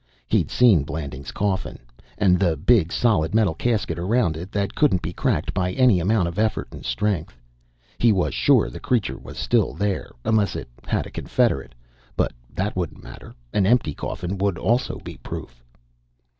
He'd seen Blanding's coffin and the big, solid metal casket around it that couldn't be cracked by any amount of effort and strength. He was sure the creature was still there, unless it had a confederate. But that wouldn't matter. An empty coffin would also be proof.